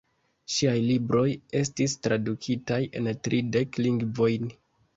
Ŝiaj libroj estis tradukitaj en tridek lingvojn.